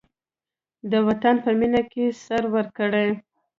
د وطن په مینه کې سر ورکړئ.